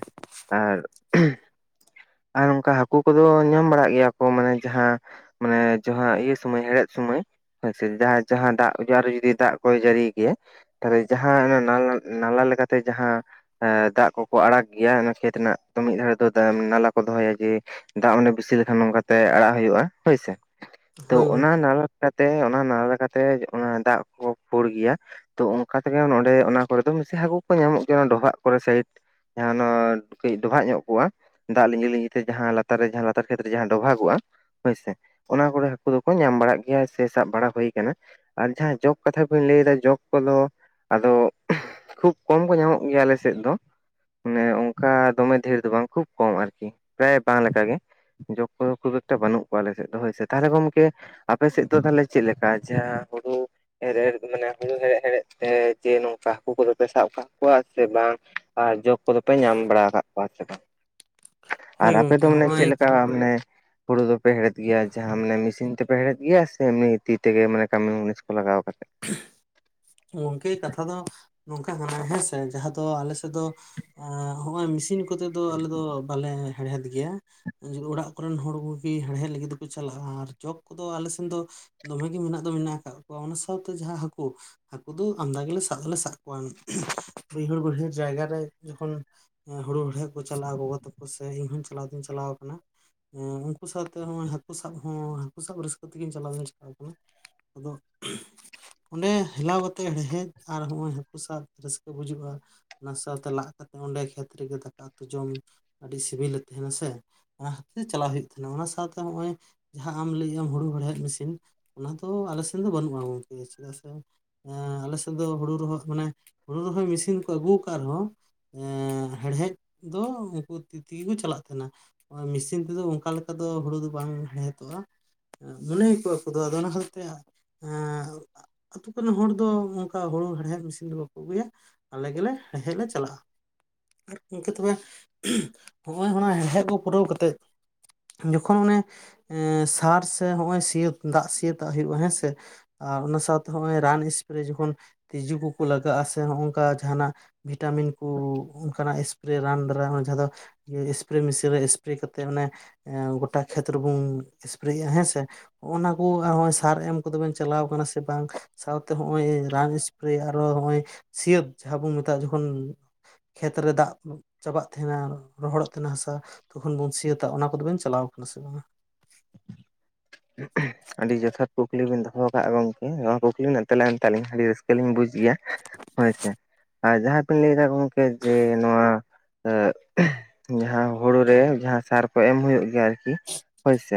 ᱟᱨ, ᱟᱨ ᱚᱱᱠᱟ ᱦᱟᱠᱩ ᱠᱚᱫᱚ ᱧᱟᱢ ᱵᱟᱲᱟᱜ ᱜᱮᱭᱟ ᱠᱚ ᱢᱟᱱᱮ ᱡᱟᱸᱦᱟᱸᱼᱼ ᱢᱟᱱᱮ ᱡᱟᱸᱦᱟᱸ ᱤᱭᱟᱹ ᱥᱩᱢᱟ ᱦᱮᱲᱦᱮᱫ ᱥᱩᱢᱟᱹᱭ᱾ ᱦᱮᱸ ᱥᱮ ᱡᱟᱸᱦᱟᱸᱭ ᱡᱟᱸᱦᱟᱸ ᱴᱟᱜ ᱫᱟᱜ ᱡᱚ ᱟᱨᱚ ᱡᱩᱫᱤ ᱫᱟᱜ ᱠᱚᱭ ᱡᱟᱹᱲᱤᱭ ᱜᱮᱭᱟ᱾ ᱛᱟᱦᱚᱞᱮ ᱡᱟᱸᱦᱟᱸ ᱱᱟᱞᱟ ᱱᱟᱞᱟ ᱞᱮᱠᱟ ᱛᱮ ᱡᱟᱸᱦᱟᱸ ᱮ ᱫᱟᱜ ᱠᱚᱠᱚ ᱟᱲᱟᱜ ᱜᱮᱭᱟ ᱚᱱᱟ ᱠᱷᱮᱛᱼᱼ ᱛᱮᱱᱟᱜ ᱫᱚ ᱢᱤᱫ ᱫᱷᱟᱨᱮ ᱫᱚ ᱫᱟᱜ ᱱᱟᱞᱟ ᱠᱚ ᱫᱚᱦᱚᱭᱟ ᱡᱮᱼᱼ ᱫᱟᱜ ᱚᱸᱰᱮ ᱵᱮᱥᱤ ᱞᱮᱠᱷᱟᱱ ᱱᱚᱝᱠᱟ ᱛᱮ ᱟᱲᱟᱜ ᱦᱩᱭᱩᱜ-ᱟ ᱦᱳᱭ ᱥᱮ, ᱛᱚ ᱦᱳᱭ ᱜᱚᱝ ᱚᱱᱟ ᱱᱟᱞᱟᱼᱼ ᱠᱟᱛᱮ ᱚᱱᱟ ᱱᱟᱞᱟ ᱠᱟᱛᱮᱜ ᱚᱱᱟ ᱫᱟᱜ ᱠᱚ ᱯᱩᱲ ᱜᱮᱭᱟ᱾ ᱛᱚ ᱚᱱᱠᱟ ᱛᱮᱜᱮ ᱚᱱ ᱱᱚᱰᱮ ᱚᱱᱟ ᱠᱚᱨᱮ ᱫᱚ ᱵᱤᱥᱤ ᱦᱟᱠᱩ ᱠᱩ ᱧᱟᱢᱚᱜ ᱜᱮᱭᱟ ᱚᱱᱟ ᱰᱚᱵᱷᱟᱜ ᱠᱚᱨᱮ ᱥᱟᱭᱤᱰᱼᱼ ᱡᱟᱸᱦᱟᱸ *unintelligible* ᱠᱟᱹᱡ ᱰᱚᱵᱷᱟᱜ ᱧᱚᱜ ᱠᱚᱜ-ᱟ, ᱫᱟᱜ ᱞᱤᱧᱡᱤ ᱞᱤᱧᱡᱤ ᱛᱮ ᱡᱟᱦᱟᱸ ᱞᱟᱛᱟᱨ ᱨᱮ ᱡᱟᱦᱟᱸ ᱞᱟᱛᱟᱨ ᱠᱷᱮᱛ ᱨᱮ ᱡᱟᱸᱦᱟᱸ ᱰᱚᱵᱷᱟᱜᱚᱜ-ᱟ᱾ ᱦᱳᱭ ᱥᱮ, ᱚᱱᱟ ᱠᱚᱨᱮ ᱦᱟᱹᱠᱩ ᱫᱚᱠᱚ ᱧᱟᱢ ᱵᱟᱲᱟᱜ ᱜᱮᱭᱟ ᱥᱮ ᱥᱟᱵ ᱵᱟᱲᱟ ᱦᱩᱭ ᱠᱟᱱᱟ᱾ ᱟᱨ ᱡᱟᱸᱦᱟᱸ ᱡᱚᱸᱠ ᱠᱟᱛᱷᱟ ᱵᱮᱱ ᱞᱟᱹᱭ ᱮᱫᱟ ᱡᱚᱸᱠ ᱠᱚᱫᱚ ᱟᱫᱚ ᱠᱷᱩᱵ ᱠᱚᱢ ᱠᱚ ᱧᱟᱢᱚᱜ ᱜᱮᱭᱟ ᱟᱞᱮ ᱥᱮᱜ ᱫᱚ, ᱢᱟᱱᱮ ᱚᱝ ᱚᱱᱠᱟ ᱫᱚᱢᱮ ᱰᱷᱮᱨ ᱫᱚ ᱵᱟᱝ ᱠᱷᱩᱵ ᱠᱚᱢ ᱟᱨᱠᱤ ᱯᱨᱟᱭ ᱵᱟᱝ ᱞᱮᱠᱟ ᱜᱮ᱾ ᱡᱚᱸᱠ ᱠᱚᱫᱚ ᱠᱷᱩᱵ ᱮᱠᱴᱟ ᱵᱟᱹᱱᱩᱜ ᱠᱚᱣᱟ ᱟᱞᱮ ᱥᱮᱜ ᱫᱚ ᱦᱳᱭ ᱥᱮ, ᱛᱟᱦᱚᱞᱮ ᱜᱚᱢᱠᱮ ᱟᱯᱮ ᱥᱮᱫ ᱫᱚ ᱛᱟᱦᱚᱞᱮ ᱪᱮᱫ ᱞᱮᱠᱟ ᱡᱟᱸᱦᱟᱸ ᱦᱩᱲᱩ ᱦᱮᱲ ᱦᱮᱲ ᱢᱟᱱᱮ ᱦᱩᱲᱩ ᱦᱮᱲᱦᱮᱫ ᱦᱮᱲᱦᱮᱫ ᱛᱮ ᱡᱮ ᱱᱚᱝᱠᱟ ᱦᱟᱹᱠᱩ ᱠᱚᱫᱚ ᱯᱮ ᱥᱟᱵ ᱠᱟᱜ ᱠᱚᱣᱟ ᱥᱮ ᱵᱟᱝ᱾ ᱟᱨ ᱡᱚᱜ ᱠᱚᱫᱚ ᱯᱮ ᱧᱟᱢ ᱵᱟᱲᱟ ᱟᱠᱟᱫ ᱠᱚᱣᱟ ᱥᱮ ᱵᱟᱝ ᱟᱨ ᱦᱳᱭ ᱟᱯᱮᱫ ᱜᱚᱝᱠᱮ ᱫᱚ ᱢᱟᱱᱮ ᱦᱚᱸᱜᱼᱚᱭ ᱪᱮᱫ ᱞᱮᱠᱟ ᱢᱟᱱᱮ ᱦᱩᱲᱩ ᱫᱚᱯᱮ ᱦᱮᱲᱦᱮᱫ ᱜᱮᱭᱟ, ᱡᱟᱸᱦᱟ ᱢᱟᱱᱮ ᱢᱮᱥᱤᱱ ᱛᱮ ᱯᱮ ᱦᱮᱲᱦᱮᱫ ᱜᱮᱭᱟ ᱥᱮ ᱮᱢᱱᱤ ᱛᱤ ᱛᱮᱜᱮ ᱢᱟᱱᱮ ᱠᱟᱹᱢᱤ ᱢᱩᱱᱤᱥ ᱠᱚ ᱞᱟᱜᱟᱣ ᱠᱟᱛᱮ᱾ ᱜᱚᱝᱠᱮ ᱠᱟᱛᱷᱟ ᱫᱚ ᱱᱚᱝᱠᱟ ᱠᱟᱱᱟ ᱦᱮᱸᱥᱮ ᱡᱟᱸᱦᱟ ᱫᱚ ᱟᱞᱮ ᱥᱮᱫ ᱫᱚ ᱮ ᱦᱚᱸ ᱚᱭ ᱢᱮᱥᱤᱱ ᱠᱚᱛᱮ ᱫᱚ ᱟᱞᱮ ᱫᱚ ᱵᱟᱞᱮ ᱦᱮᱲᱦᱮᱫ ᱜᱮᱭᱟ᱾ ᱚᱲᱟᱜ ᱠᱚᱨᱮᱱ ᱦᱚᱲ ᱠᱚᱜᱮ ᱦᱮᱲᱦᱮᱫ ᱞᱟᱹᱜᱤᱫ ᱛᱮᱠᱚ ᱪᱟᱞᱟᱜᱼᱟ ᱟᱨ ᱡᱚᱠᱷ ᱠᱚᱫᱚ ᱟᱞᱮ ᱥᱮᱱ ᱫᱚ ᱫᱚᱢᱮ ᱜᱮ ᱢᱮᱱᱟᱜ ᱫᱚ ᱢᱮᱱᱟᱜ ᱟᱠᱟᱫ ᱠᱚᱣᱟ ᱚᱱᱟ ᱥᱟᱶᱛᱮ ᱡᱟᱸᱦᱟᱸ ᱦᱟᱹᱠᱩ ᱦᱟᱹᱠᱩ ᱫᱚ ᱟᱢᱫᱟ ᱜᱮᱞᱮ ᱥᱟᱵ ᱫᱚᱞᱮ ᱥᱟᱵ ᱠᱚᱣᱟ, ᱵᱟᱹᱭᱦᱟᱹᱲ ᱵᱟᱹᱭᱦᱟᱹᱲ ᱡᱟᱭᱜᱟᱨ ᱨᱮ ᱡᱚᱠᱷᱚᱱ ᱦᱩᱲᱩ ᱦᱮᱲᱦᱮᱫ ᱠᱚ ᱪᱟᱞᱟᱜᱼᱟ ᱜᱚᱜᱚ ᱛᱟᱠᱚ ᱥᱮ ᱤᱧ ᱦᱚᱸᱧ ᱪᱟᱞᱟᱣ ᱫᱚᱧ ᱪᱟᱞᱟᱣ ᱟᱠᱟᱱᱟ᱾ ᱩᱱᱠᱩ ᱥᱟᱶᱛᱮ ᱦᱟᱹᱠᱩ ᱥᱟᱵ ᱦᱚᱸ ᱦᱟᱹᱠᱩ ᱥᱟᱵ ᱨᱟᱹᱥᱠᱟᱹ ᱛᱮᱜᱤᱧ ᱪᱟᱞᱟᱣ ᱫᱩᱧ ᱪᱟᱞᱟᱣ ᱠᱟᱱᱟ᱾ ᱟᱫᱚ *inaudible* ᱚᱱᱮ ᱴᱮᱞᱟᱣ ᱟᱛᱮᱜ ᱦᱮᱲᱦᱮᱫ ᱟᱨ ᱦᱚᱸ ᱚᱭ ᱦᱟᱹᱠᱩ ᱥᱟᱵ ᱨᱟᱹᱥᱠᱟᱹ ᱵᱩᱡᱟ. ᱜ-ᱟ᱾ ᱚᱱᱟ ᱥᱟᱶᱛᱮ ᱞᱟᱜ ᱠᱟᱛᱮᱜ ᱚᱸᱰᱮ ᱠᱷᱮᱛ ᱨᱮᱜᱮ ᱫᱟᱠᱟ ᱩᱛᱩ ᱡᱚᱢ ᱟᱹᱰᱤ ᱥᱤᱵᱤᱞᱮ ᱛᱟᱦᱮᱱᱟ ᱥᱮ ᱚᱱᱟ ᱦᱚᱛ ᱛᱮ ᱪᱟᱞᱟᱜ ᱦᱩᱭᱩᱜᱱᱟ ᱚᱱᱟ ᱥᱟᱶᱛᱮ ᱱᱚᱜᱚᱭ ᱟᱢ ᱞᱟᱹᱭ ᱟᱢ ᱦᱩᱲᱩ ᱦᱮᱲᱦᱮᱫ ᱢᱮᱥᱤᱱ ᱚᱱᱟ ᱫᱚ ᱟᱞᱮ ᱥᱮᱱ ᱫᱚ ᱵᱟᱹᱱᱩᱜᱼᱟ, ᱜᱚᱢᱠᱮ ᱪᱮᱫᱟᱜ ᱥᱮ ᱮᱸ ᱟᱞᱮ ᱥᱮᱫ ᱫᱚ ᱦᱩᱲᱩ ᱨᱚᱦᱚᱭ ᱢᱱᱮ ᱦᱩᱲᱩ ᱨᱚᱦᱚᱭ ᱢᱮᱥᱤᱱ ᱠᱚ ᱟᱹᱜᱩ ᱟᱠᱟᱫ ᱨᱮᱦᱚᱸ ᱮᱸ ᱦᱮᱲᱦᱮᱫ ᱫᱚ ᱩᱱᱠᱩ ᱛᱤ ᱛᱮᱜᱮ ᱠᱚ ᱪᱟᱞᱟᱜ ᱠᱟᱱᱟ ᱢᱮᱥᱤᱱ ᱛᱮᱫᱚ ᱚᱱᱠᱟ ᱞᱮᱠᱟ ᱫᱚ ᱦᱩᱲᱩ ᱫᱚ ᱵᱟᱝ ᱦᱮᱲᱦᱮᱫᱚᱜᱼᱟ *unintelligible* ᱠᱚᱫᱚ ᱟᱫᱚ ᱚᱱᱟ ᱠᱷᱟᱹᱛᱤᱨ ᱛᱮ ᱮᱸ ᱨᱮᱱ ᱦᱚᱲ ᱫᱚ ᱚᱱᱠᱟ ᱦᱩᱲᱩ ᱦᱮᱲᱦᱮᱫ ᱢᱮᱥᱤᱱ ᱫᱚ ᱵᱟᱠᱚ ᱟᱹᱜᱩᱭᱟ ᱟᱞᱮ ᱜᱮᱞᱮ ᱦᱮᱲᱦᱮᱫ ᱞᱮ ᱪᱟᱞᱟᱜᱼᱟ᱾ ᱟᱨ ᱜᱚᱝᱠᱮ ᱛᱚᱵᱮ ᱦᱚᱭ ᱚᱱᱟ ᱦᱮᱲᱦᱮᱫ ᱠᱚ ᱯᱩᱨᱟᱹᱣ ᱠᱟᱛᱮᱫ ᱡᱚᱠᱷᱚᱱ ᱚᱱᱮ ᱮᱸ ᱥᱟᱨ ᱥᱮ ᱱᱚᱜ ᱚᱭ ᱥᱤ ᱫᱟᱜ ᱥᱤᱭᱟᱹᱛᱟᱜ ᱦᱩᱭᱩᱜᱼᱟ ᱦᱮᱸ ᱥᱮᱼᱼ ᱟᱨ ᱚᱱᱟ ᱥᱟᱶᱛᱮ ᱱᱚᱜᱚᱭ ᱨᱟᱱ ᱮᱥᱯᱨᱮ ᱡᱚᱠᱷᱚᱱ ᱛᱤᱡᱩ ᱠᱚᱠᱚ ᱞᱟᱜᱟᱜᱼᱟ ᱥᱮ ᱱᱚᱜᱝᱠᱟ ᱡᱟᱦᱟᱱᱟᱜ ᱵᱷᱤᱴᱟᱢᱤᱱ ᱠᱩ ᱚᱱᱠᱟᱱᱟᱜ ᱮᱥᱯᱨᱮ ᱨᱟᱱ ᱫᱟᱨᱟᱭ ᱦᱚᱸ ᱡᱟᱦᱟᱸ ᱫᱚ ᱥᱯᱨᱮ ᱢᱮᱥᱤᱱ ᱨᱮ ᱮᱥᱯᱨᱮ ᱠᱟᱛᱮᱜ ᱚᱱᱮ ᱜᱳᱚᱴᱟ ᱠᱷᱮᱛ ᱨᱮᱵᱚᱱ ᱥᱯᱨᱮᱭᱮᱼᱟ ᱦᱮᱸᱥᱮ ᱦᱚᱸᱜᱼᱱᱟ ᱠᱚ ᱟᱨ ᱚᱭ ᱥᱟᱨ ᱮᱢ ᱠᱚᱫᱚ ᱵᱮᱱ ᱪᱟᱞᱟᱣ ᱠᱟᱱᱟ ᱥᱮ ᱵᱟᱝ? ᱥᱟᱶᱛᱮ ᱱᱚᱜᱚᱭ ᱨᱟᱱ ᱮᱥᱯᱨᱮ ᱟᱨ ᱥᱤᱭᱟᱹᱛ ᱡᱟᱦᱟᱸ ᱵᱚᱱ ᱢᱮᱛᱟᱜᱼᱟ ᱡᱚᱠᱷᱚᱱ ᱠᱷᱮᱛ ᱨᱮ ᱫᱟᱜ ᱪᱟᱵᱟᱜ ᱛᱟᱦᱮᱱᱟ ᱨᱚᱦᱚᱲᱚᱜ ᱛᱟᱦᱮᱱᱟ ᱦᱟᱥᱟ ᱛᱚᱠᱷᱚᱱ ᱵᱚᱱ ᱥᱤᱭᱟᱹᱟᱹᱛᱟ ᱚᱱᱟ ᱠᱚᱫᱚᱵᱮᱱ ᱪᱟᱞᱟᱣ ᱠᱟᱱᱟ ᱥᱮ ᱵᱟᱝ᱾ *inaudible* ᱟᱹᱰᱤ ᱡᱚᱛᱷᱟᱛ ᱠᱩᱠᱞᱤ ᱵᱤᱱ ᱫᱚᱦᱚ ᱠᱟᱜᱼᱟ ᱜᱚᱝᱠᱮ ᱱᱚᱣᱟ ᱠᱩᱠᱞᱤ ᱨᱮᱱᱟᱜ ᱛᱮᱞᱟ ᱮᱢᱛᱮ ᱟᱞᱤᱧ ᱟᱹᱰᱤ ᱨᱟᱹᱥᱠᱟᱹᱞᱤᱧ ᱵᱩᱡ ᱜᱮᱭᱟ᱾ ᱦᱳᱭᱥᱮ ᱟᱨ ᱡᱟᱦᱟᱸ ᱵᱤᱱ ᱞᱟᱹᱭᱫᱟ ᱜᱚᱢᱠᱮ ᱡᱮ ᱱᱚᱣᱟ ᱡᱟᱦᱟᱸ ᱦᱩᱲᱩ ᱨᱮ ᱡᱟᱦᱟᱸ ᱥᱟᱨ ᱠᱚ ᱮᱢ ᱦᱩᱭᱩᱜᱭ ᱜᱮᱭᱟ ᱟᱨᱠᱤ ᱦᱳᱭᱥᱮ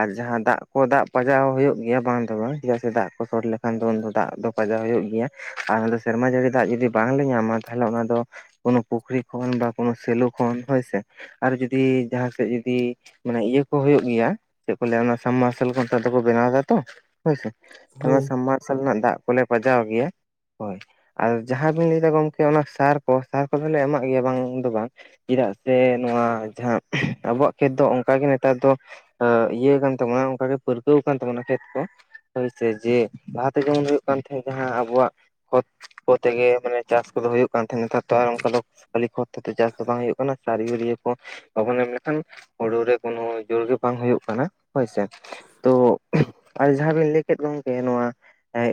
ᱟᱨ ᱡᱟᱦᱟᱸ ᱫᱟᱜ ᱟᱠᱚ ᱫᱟᱜ ᱯᱟᱡᱟᱣ ᱦᱩᱭᱩᱜ ᱜᱮᱭᱟ ᱵᱟᱝ ᱫᱚ ᱵᱟᱝ ᱪᱮᱫᱟᱜ ᱥᱮ ᱫᱟᱜ ᱠᱚ ᱛᱚᱞ ᱞᱮᱠᱷᱟᱱ ᱫᱚ ᱩᱱ ᱫᱚ ᱫᱟᱜ ᱫᱚ ᱯᱟᱡᱟᱣ ᱦᱩᱭᱩᱜ ᱜᱮᱭᱟ᱾ ᱟᱨ ᱟᱞᱮ ᱫᱚ ᱥᱮᱨᱢᱟ ᱡᱟᱹᱲᱤ ᱫᱟᱜ ᱡᱩᱫᱤ ᱵᱟᱝᱞᱮ ᱧᱟᱢᱟ ᱛᱟᱦᱞᱮ ᱚᱱᱟ ᱫᱚ ᱠᱳ ᱯᱩᱠᱷᱨᱤ ᱠᱷᱚᱱ ᱵᱟ ᱠᱳᱱᱳ ᱥᱮᱞᱳ ᱠᱷᱚᱱ ᱦᱳᱭ ᱥᱮ᱾ ᱟᱨ ᱡᱩᱫᱤ ᱡᱟᱦᱟᱸ ᱥᱮᱫ ᱡᱩᱫᱤ ᱢᱟᱱᱮ ᱤᱭᱟᱹ ᱠᱚ ᱦᱩᱭᱩᱜ ᱜᱮᱭᱟ ᱪᱮᱫ ᱠᱚ ᱞᱟᱹᱭᱟ ᱟᱱᱟ ᱥᱟᱵᱢᱟᱨᱥᱟᱞ ᱠᱚ ᱱᱮᱛᱟᱨ ᱫᱚᱠᱚ ᱵᱮᱱᱟᱣ ᱫᱟ ᱛᱚ ᱦᱳᱭᱥᱮ ᱛᱳ ᱚᱱᱟ ᱦᱳᱭ ᱥᱟᱵᱢᱟᱨᱥᱟᱞ ᱨᱮᱱᱟᱜ ᱫᱟᱜ ᱠᱚᱞᱮ ᱯᱟᱡᱟᱣ ᱜᱮᱭᱟ ᱦᱳᱭ ᱟᱨ ᱡᱟᱦᱟᱸ ᱵᱤᱱ ᱞᱟᱹᱭᱫᱟ ᱜᱚᱢᱠᱮ ᱚᱱᱟ ᱥᱟᱨ ᱠᱚ ᱥᱟᱨ ᱠᱚᱫᱚᱞᱮ ᱮᱢᱟᱜ ᱜᱮᱭᱟ ᱵᱟᱝ ᱫᱚ ᱵᱟᱝ ᱪᱮᱫᱟᱜ ᱥᱮ ᱱᱚᱣᱟ ᱡᱟᱦᱟᱸ ᱟᱵᱚᱣᱟᱜ ᱠᱷᱮᱛ ᱫᱚ ᱚᱱᱠᱟᱜᱮ ᱱᱮᱛᱟᱨ ᱫᱚ ᱤᱭᱟᱹ ᱠᱟᱱ ᱛᱟᱢᱟ ᱚᱝᱠᱟ ᱜᱮ ᱯᱟᱹᱨᱠᱟᱹᱣ ᱠᱟᱱ ᱛᱟᱵᱚᱱᱟ ᱠᱷᱮᱛ ᱠᱚ᱾ ᱦᱳᱭᱥᱮ ᱡᱮ ᱞᱟᱦᱟᱛᱮ ᱡᱮᱢᱚᱱ ᱦᱩᱭᱩᱜ ᱠᱟᱱ ᱛᱟᱦᱮᱸᱫ ᱡᱟᱦᱟᱸ ᱟᱵᱚᱣᱟᱜ ᱠᱷᱚᱛ ᱠᱦᱚᱛ ᱛᱮᱜᱮ ᱢᱟᱱᱮ ᱪᱟᱥ ᱠᱚᱫᱚ ᱦᱩᱭᱩᱜ ᱠᱟᱱ ᱛᱟᱦᱮᱸ ᱱᱮᱛᱟᱨᱚ ᱟᱨ ᱚᱱᱠᱟ ᱫᱚ ᱠᱷᱟᱹᱞᱤ ᱠᱷᱚᱛ ᱪᱟᱥ ᱫᱚ ᱵᱟᱝ ᱦᱩᱭᱩᱜ ᱠᱟᱱᱟ᱾ ᱥᱟᱹᱨᱤᱜᱟᱹᱨᱭᱟ. ᱠᱷᱚᱛ ᱵᱟᱵᱚᱱ ᱮᱢ ᱞᱮᱠᱷᱟᱱ ᱦᱩᱲᱩ ᱨᱮ ᱠᱳᱱᱳ ᱡᱳᱨ ᱜᱮ ᱵᱟᱝ ᱦᱩᱭᱩᱜ ᱠᱟᱱᱟ ᱦᱳᱭᱥᱮ ᱛᱳ ᱟᱨ ᱡᱟᱦᱟᱸ ᱠᱳᱧ ᱞᱟᱹᱭ ᱠᱮᱫ ᱜᱚᱝᱠᱮ ᱱᱚᱣᱟ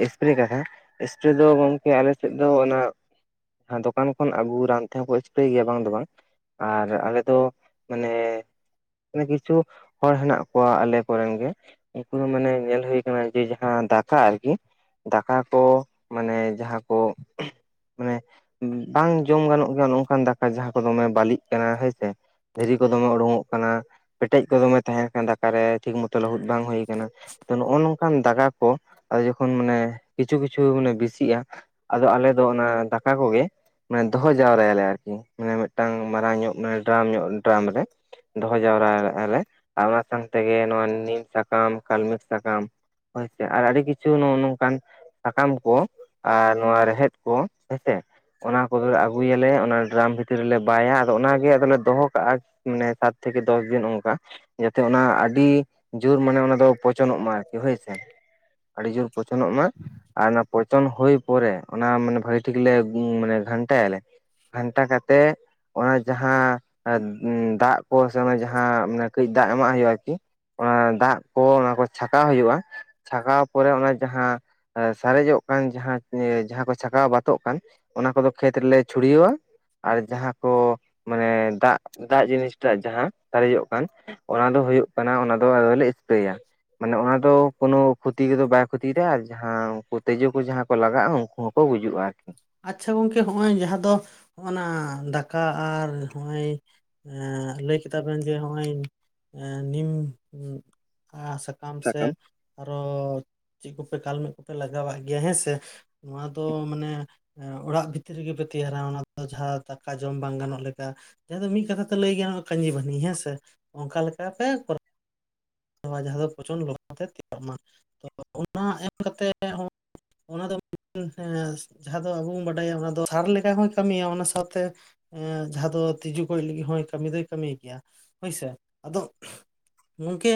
ᱮᱥᱯᱨᱮ ᱠᱟᱛᱷᱟ ᱮᱥᱯᱨᱮ ᱫᱚ ᱜᱚᱝᱠᱮ ᱟᱞᱮᱥᱮᱫ ᱫᱚ ᱚᱱᱟ ᱦᱮ ᱫᱚᱠᱟᱱ ᱠᱷᱚᱱ ᱟᱹᱜᱩ ᱨᱟᱱ ᱛᱮᱦᱚᱸᱠᱚ ᱮᱥᱯᱨᱮ ᱜᱮᱭᱟ ᱵᱟᱝ ᱫᱚ ᱵᱟᱝ ᱟᱨ ᱟᱞᱮ ᱫᱚ ᱢᱟᱱᱮ ᱠᱤᱪᱷᱩ ᱦᱚᱲ ᱦᱮᱱᱟᱜ ᱠᱣᱟᱜ ᱟᱞᱮ ᱠᱚᱨᱮᱱ ᱜᱮ ᱩᱱᱠᱩ ᱫᱚ ᱢᱟᱱᱮ ᱧᱮᱞ ᱦᱩᱭ ᱠᱟᱱᱟ ᱡᱮ ᱡᱟᱦᱟᱸ ᱫᱟᱠᱟ ᱟᱨᱠᱤ ᱫᱟᱠᱟ ᱠᱚ ᱢᱟᱱᱮ ᱡᱟᱦᱟᱸ ᱠᱚ ᱢᱟᱱᱮ ᱵᱟᱝ ᱡᱚᱢ ᱜᱟᱱᱚᱜ ᱜᱮᱭᱟ ᱚᱱᱠᱟᱱ ᱫᱟᱠᱟ ᱡᱟᱦᱟᱸ ᱠᱚ ᱫᱚᱢᱮ ᱵᱟᱹᱞᱤᱜ ᱠᱟᱱᱟ ᱦᱮᱸ ᱥᱮ ᱫᱷᱤᱨᱤ ᱠᱚ ᱫᱚᱢᱮ ᱩᱰᱩᱠᱚᱜ ᱠᱟᱱᱟ ᱯᱮᱴᱮᱡ ᱠᱚ ᱫᱚᱢᱮ ᱛᱟᱦᱮᱸ ᱠᱟᱱᱟ ᱫᱟᱠᱟ ᱠᱟᱨᱮ ᱴᱷᱤᱠ ᱢᱚᱛᱚ ᱞᱟᱹᱦᱫ ᱵᱟᱝ ᱦᱩᱭ ᱟᱠᱟᱱᱟ ᱱᱚᱜᱼᱚ ᱱᱚᱝ ᱠᱟᱱ ᱫᱟᱜᱟ ᱠᱚ ᱟᱫᱚ ᱡᱚᱠᱷᱚᱱ ᱢᱟᱱᱮ ᱠᱤᱪᱷᱩ ᱠᱤᱪᱷᱩ ᱢᱟᱱᱮ ᱵᱮᱥᱤᱜᱼᱟ ᱟᱫᱚ ᱟᱞᱮ ᱫᱚ ᱚᱱᱟ ᱫᱟᱠᱟ ᱠᱚᱜᱮ ᱢᱟᱱᱮ ᱫᱚᱦᱚ ᱡᱟᱣᱨᱟ ᱭᱟᱞᱮ ᱟᱨ ᱠᱤ ᱢᱟᱱᱮ ᱢᱤᱫᱴᱟᱝ ᱢᱟᱨᱟᱝ ᱧᱚᱜ ᱰᱨᱟᱢ ᱧᱚᱜ ᱰᱨᱟᱢ ᱨᱮ ᱫᱚᱦᱚ ᱡᱟᱣᱨᱟ ᱠᱟᱜᱼᱟ ᱞᱮ ᱟᱨ ᱚᱱᱟ ᱥᱟᱶ ᱛᱮᱜᱮ ᱱᱚᱣᱟ ᱱᱤᱢ ᱥᱟᱠᱟᱢ ᱠᱟᱞᱢᱮᱠ ᱥᱟᱠᱟᱢ ᱦᱳᱭ ᱥᱮ ᱟᱨ ᱟᱹᱰᱤ ᱠᱤᱪᱷᱩ ᱱᱚᱜᱼ ᱱᱚᱝᱠᱟᱱ ᱥᱟᱠᱟᱢ ᱠᱚ ᱟᱨ ᱱᱚᱣᱟ ᱨᱮᱦᱮᱫ ᱠᱚ ᱦᱮᱸᱥᱮ ᱚᱱᱟ ᱠᱚ ᱫᱚ ᱟᱹᱜᱩᱭ ᱟᱞᱮ ᱚᱱᱟ ᱰᱨᱟᱢ ᱵᱷᱤᱛᱤᱨ ᱨᱮᱞᱮ ᱵᱟᱭᱟ ᱟᱫᱚ ᱚᱱᱟ ᱜᱮ ᱟᱫᱚᱞᱮ ᱫᱚᱦᱚ ᱠᱟᱜᱼᱟ ᱢᱟᱱᱮ ᱥᱟᱛ ᱛᱷᱮᱠᱮ, ᱫᱚᱥ ᱫᱤᱱ ᱚᱱᱠᱟ ᱡᱟᱛᱮ ᱚᱱᱟ ᱟᱹᱰᱤ ᱡᱳᱨ ᱢᱟᱱᱮ ᱚᱱᱟ ᱫᱚ ᱯᱚᱪᱚᱱᱼᱚᱜ ᱢᱟ ᱟᱨᱠᱤ ᱦᱳᱭ ᱥᱮ ᱟᱹᱰᱤ ᱡᱳᱨ ᱯᱚᱪᱚᱱ ᱚᱜ ᱢᱟ ᱟᱨᱼᱼ ᱯᱚᱪᱚᱱ ᱦᱩᱭ ᱯᱚᱨᱮ ᱚᱱᱟ ᱢᱟᱱᱮ ᱵᱷᱟᱹᱜᱤ ᱴᱷᱤᱠ ᱞᱮ ᱢᱟᱱᱮ ᱜᱷᱟᱱᱴᱟ ᱭᱟᱞᱮ ᱜᱷᱟᱱᱴᱟ ᱠᱟᱛᱮᱜ ᱚᱱᱟ ᱡᱟᱦᱟᱸ ᱫᱟᱜ ᱠᱚ ᱥᱮ ᱚᱱᱟ ᱡᱟᱦᱟᱸ ᱢᱟᱱᱮ ᱠᱟᱹᱡ ᱫᱟᱜ ᱠᱚ ᱮᱢᱟᱜ ᱦᱩᱭᱩᱜᱼᱟ ᱟᱨ ᱠᱤ ᱚᱱᱟ ᱫᱟᱜ ᱠᱚ ᱚᱱᱟ ᱠᱚ ᱪᱷᱟᱠᱟᱣ ᱦᱩᱭᱩᱜᱼᱟ ᱪᱷᱟᱠᱟᱣ ᱯᱚᱨᱮ ᱚᱱᱟ ᱡᱟᱦᱟᱸ ᱥᱟᱨᱮᱡᱚᱜ ᱠᱟᱱ ᱡᱟᱦᱟᱸ ᱡᱟᱦᱟᱸ ᱠᱚ ᱪᱷᱟᱠᱟᱣ ᱵᱟᱛᱚᱜ ᱠᱟᱱ ᱚᱱᱟ ᱠᱚᱫᱚ ᱠᱷᱮᱛ ᱨᱮᱞᱮ ᱪᱷᱩᱲᱤᱣᱟᱣᱼᱟ ᱟᱨ ᱡᱟᱦᱟᱸ ᱠᱚ ᱢᱟᱱᱮ ᱫᱟᱜ ᱫᱟᱜ ᱡᱤᱱᱤᱥᱴᱟᱜ ᱡᱟᱦᱟᱸ ᱥᱟᱨᱮᱡᱼᱚᱜ ᱠᱟᱱ ᱚᱱᱟ ᱫᱚ ᱦᱳᱭᱳᱜ ᱠᱟᱱᱟ ᱚᱱᱟ ᱫᱚ ᱟᱫᱚᱞᱮ ᱤᱛᱟᱹᱭᱟ ᱢᱟᱱᱮ ᱚᱱᱟ ᱫᱚ ᱠᱳᱱᱳ ᱠᱷᱚᱛᱤ ᱠᱚᱫᱚ ᱵᱟᱭ ᱠᱷᱚᱛᱤᱭ ᱮᱫᱟ ᱟᱨ ᱡᱟᱦᱟᱸ ᱩᱱᱠᱩ ᱛᱤᱡᱩ ᱠᱚ ᱡᱟᱦᱟᱸ ᱠᱚ ᱞᱟᱜᱟᱜᱼᱟ ᱩᱱᱠᱩ ᱠᱚ ᱜᱩᱡᱩᱜᱼᱟ ᱟᱨ ᱠᱤ ᱟᱪᱪᱷᱟ ᱜᱚᱝᱠᱮ ᱦᱚᱸᱜᱼᱚᱭ ᱡᱟᱦᱟᱸ ᱫᱚ ᱦᱚᱜᱼᱱᱟ ᱫᱟᱠᱟ ᱟᱨ ᱦᱚᱸᱜᱼᱚᱭ ᱟᱸ ᱞᱟᱹᱭ ᱠᱮᱫᱟ ᱵᱮᱱ ᱡᱮ ᱱᱚᱜᱼᱚᱭ ᱱᱤᱢᱼᱟ *unintelligible* ᱥᱟᱠᱟᱢ ᱥᱮ ᱟᱨᱚ ᱪᱮᱫ ᱠᱚᱯᱮ ᱠᱟᱞᱢᱮᱜ ᱠᱚᱯᱮ ᱞᱟᱜᱟᱣᱟᱜ ᱜᱮᱭᱟ ᱦᱮᱸ ᱥᱮ ᱱᱚᱣᱟ ᱫᱚ ᱢᱟᱱᱮ ᱚᱲᱟᱜ ᱵᱷᱤᱛᱨᱤ ᱨᱮᱜᱮ ᱯᱮ ᱛᱮᱭᱟᱨᱟ ᱚᱱᱟ ᱫᱚ ᱡᱟᱦᱟᱸ ᱫᱟᱠᱟ ᱡᱚᱢ ᱵᱟᱝ ᱜᱟᱱᱚᱜ ᱞᱮᱠᱟ ᱡᱟᱸᱦᱟ ᱫᱚ ᱢᱤᱫ ᱠᱟᱛᱷᱟ ᱛᱮ ᱞᱟᱹᱭ ᱜᱟᱱᱚᱜᱼᱟ ᱠᱟᱹᱧᱪᱤᱵᱟᱱᱤ ᱦᱮᱸ ᱥᱮ ᱚᱱᱠᱟ ᱞᱮᱠᱟ ᱛᱮ ᱠᱚᱨᱟ ᱡᱟᱦᱟᱸ ᱫᱚ ᱯᱚᱪᱚᱱᱰ ᱞᱚᱜᱚᱱ ᱛᱮ ᱛᱮᱭᱟᱨ ᱢᱟ ᱛᱚ ᱚᱱᱟ ᱮᱢ ᱠᱟᱛᱮ ᱦᱚᱸ ᱚᱱᱟ ᱫᱚ ᱡᱟᱦᱟᱸ ᱫᱚ ᱟᱵᱚ ᱵᱚᱱ ᱵᱟᱰᱟᱭᱟ ᱚᱱᱟ ᱫᱚ ᱥᱟᱨ ᱞᱮᱠᱟ ᱦᱚᱭ ᱠᱟᱹᱢᱤᱭᱟ ᱚᱱᱟ ᱥᱟᱶᱛᱮ ᱟᱸ ᱡᱟᱦᱟᱸ ᱫᱚ ᱛᱤᱡᱩ ᱜᱚᱡ ᱞᱟᱹᱜᱤᱫ ᱦᱚᱸᱭ ᱠᱟᱹᱢᱤ ᱫᱚᱭ ᱠᱟᱹᱢᱤ ᱜᱮᱭᱟ ᱦᱳᱭᱥᱮ ᱟᱫᱚ ᱜᱚᱢᱠᱮ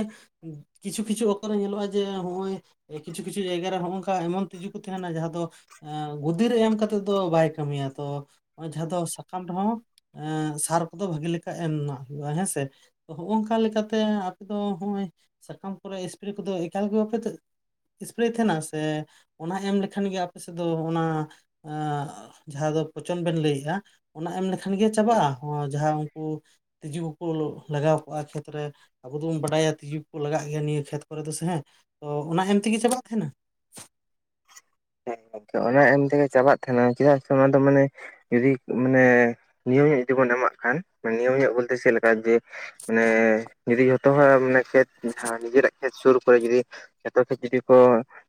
ᱠᱤᱪᱷᱩ ᱠᱤᱪᱷᱩ ᱚᱠᱛᱚ ᱨᱮ ᱧᱮᱞᱚᱜᱼᱟ ᱡᱮ ᱦᱚᱜᱼᱚᱭ ᱠᱤᱪᱷᱩ ᱠᱤᱪᱷᱩ ᱡᱟᱭᱜᱟ ᱨᱮ ᱦᱚᱸᱜᱼᱱᱚᱝᱠᱟ ᱮᱢᱚᱱ ᱛᱤᱡᱩ ᱠᱚ ᱛᱟᱦᱮᱱᱟ ᱡᱟᱦᱟᱸ ᱫᱚ ᱟᱸ ᱜᱩᱫᱤ ᱨᱮ ᱮᱢ ᱠᱟᱛᱮᱜ ᱫᱚ ᱵᱟᱭ ᱠᱟᱹᱢᱤᱭᱟ ᱛᱚ ᱡᱟᱦᱟᱸ ᱫᱚ ᱥᱟᱠᱟᱢ ᱨᱮᱦᱚᱸ ᱮᱸᱻ ᱥᱟᱨ ᱠᱚᱫᱚ ᱵᱷᱟᱜᱤ ᱞᱮᱠᱟ ᱮᱢ *unintelligible* ᱦᱮᱸ ᱥᱮᱻᱻ ᱦᱚᱸᱜᱼᱚ ᱱᱚᱝᱼᱠᱟ ᱞᱮᱠᱟᱛᱮ ᱟᱯᱮ ᱫᱚ ᱱᱚᱜᱼᱚᱭ ᱥᱟᱠᱟᱢ ᱠᱚᱨᱮ ᱥᱯᱨᱮ ᱠᱚᱫᱚ ᱮᱠᱟᱞ ᱜᱮ ᱵᱟᱯᱮ ᱥᱯᱨᱮ ᱛᱟᱦᱮᱱᱟ ᱥᱮ ᱚᱱᱟ ᱮᱢ ᱞᱮᱠᱷᱟᱱ ᱜᱮ ᱟᱯᱮ ᱥᱮᱫ ᱫᱚ ᱚᱱᱟ ᱟᱸ ᱡᱟᱦᱟᱸ ᱫᱚ ᱯᱚᱪᱚᱱ ᱵᱮᱱ ᱞᱟᱹᱭᱮᱜᱼᱟ ᱚᱱᱟ ᱮᱢ ᱞᱮᱠᱷᱟᱱ ᱜᱮ ᱪᱟᱵᱟᱜᱼᱟ ᱟᱱᱟ ᱡᱟᱦᱟᱸ ᱩᱱᱠᱩ ᱛᱤᱡᱩ ᱠᱚᱠᱚ ᱞᱟᱜᱟᱣ ᱠᱚᱜᱼᱟ ᱠᱷᱮᱛ ᱨᱮ ᱟᱵᱚ ᱫᱚᱵᱚᱱ ᱵᱟᱰᱟᱭᱟ ᱛᱤᱡᱩ ᱠᱚ ᱞᱟᱜᱟᱜ ᱜᱮᱭᱟ ᱱᱤᱭᱟᱹ ᱠᱷᱮᱛ ᱠᱚ ᱨᱮ ᱫᱚ ᱥᱮ ᱦᱮᱸ ᱛᱚ ᱚᱱᱟ ᱮᱢ ᱛᱮᱜᱮ ᱪᱟᱵᱟᱜ ᱛᱟᱦᱮ ᱱᱟ ᱦᱮᱸ ᱚᱱᱟ ᱮᱢ ᱛᱮᱜᱮ ᱪᱟᱵᱟᱜ ᱛᱟᱦᱮᱱᱟ ᱪᱮᱫᱟᱜ ᱥᱮ ᱚᱱᱟ ᱫᱚ ᱢᱟᱱᱮ ᱡᱩᱫᱤ ᱢᱟᱱᱮ ᱱᱤᱭᱚᱢ ᱧᱚᱜ ᱡᱩᱫᱤ ᱵᱚᱱ ᱮᱢᱟᱜ ᱠᱷᱟᱱ ᱢᱟᱱᱮ ᱱᱤᱭᱚᱢ ᱧᱚᱜ ᱵᱚᱞᱛᱮ ᱪᱮᱫ ᱞᱮᱠᱟ ᱡᱮ ᱢᱟᱱᱮ ᱡᱩᱫᱤ ᱡᱚᱛ ᱡᱚᱛᱚ ᱦᱚᱲ ᱢᱟᱱᱮ ᱠᱷᱮᱛ ᱡᱟᱦᱟᱸ ᱱᱤᱡᱮᱨᱟᱜ ᱠᱷᱮᱛ ᱥᱩᱨ ᱠᱚᱨᱮ ᱡᱩᱫᱤ ᱡᱚᱛᱚ ᱠᱷᱮᱛ ᱡᱩᱫᱤ ᱠᱚ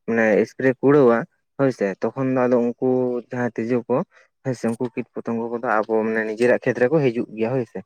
ᱢᱟᱱᱮ ᱥᱯᱨᱮ ᱠᱩᱲᱟᱹᱣᱟ ᱦᱳᱭ ᱥᱮ᱾ ᱛᱚᱠᱷᱚᱱ ᱫᱚ ᱟᱫᱚ ᱩᱱᱠᱩ ᱡᱟᱦᱟᱸᱭ ᱛᱤᱡᱩ ᱠᱚ ᱼᱼ ᱦᱳᱭᱥᱮ ᱩᱱᱠᱩ ᱠᱤᱴ ᱯᱨᱚᱛᱚᱝᱜᱚ ᱠᱚᱫᱚ ᱟᱵᱚ ᱢᱟᱱᱮ ᱱᱤᱡᱮᱨᱟᱜ ᱠᱷᱮᱛ ᱨᱮᱠᱚ ᱦᱤᱡᱩᱜ ᱜᱮᱭᱟ ᱦᱳᱭ ᱥᱮ।